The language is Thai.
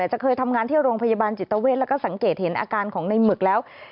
จะเคยทำงานที่โรงพยาบาลจิตเวทแล้วก็สังเกตเห็นอาการของในหมึกแล้ว